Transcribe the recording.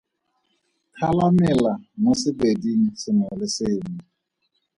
Thala mela mo sebeding sengwe le sengwe.